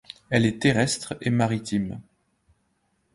Elle est terrestre et maritime.